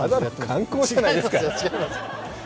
観光じゃないですか。